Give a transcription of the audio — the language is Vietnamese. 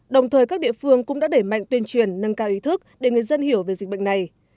đồng thời các địa phương cũng đã để mạnh tuyên truyền nâng cao ý thức để người dân hiểu về dịch bệnh này